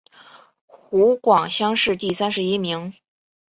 湖广乡试第三十一名。